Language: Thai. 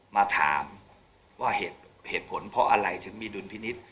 มาถามว่าเหตุผลเพราะอะไรถึงมีดุลพินิษฐ์